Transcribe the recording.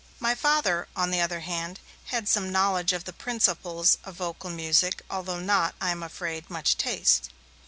My Father, on the other hand, had some knowledge of the principles of vocal music, although not, I am afraid, much taste.